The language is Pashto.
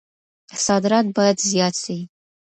صادرات بايد زيات سي.